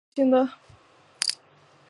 授刑部主事。